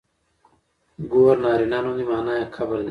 ګور نرينه نوم دی مانا يې کبر دی.